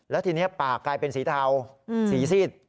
แล้วทีนี้ปากกลายเป็นสีเทาสีซีด